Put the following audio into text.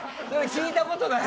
聞いたことない。